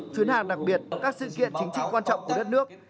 chuyến hàng đặc biệt các sự kiện chính trị quan trọng của đất nước